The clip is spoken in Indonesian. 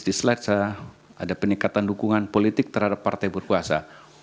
di slica ada peningkatan dukungan politik terhadap partai berkuasa